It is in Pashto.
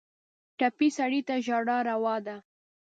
ټپي سړی ته ژړا روا ده.